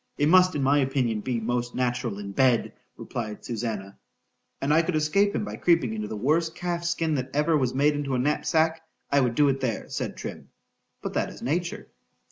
—It must, in my opinion, be most natural in bed, replied Susannah.—And could I escape him by creeping into the worst calf's skin that ever was made into a knapsack, I would do it there—said Trim—but that is nature.